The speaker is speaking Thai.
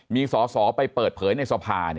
มีสอสอไปเปิดเผยในสภา